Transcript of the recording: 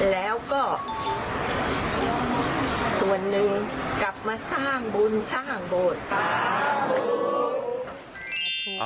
แล้วก็ส่วนหนึ่งกลับมาสร้างบุญสร้างโบสถ์ไป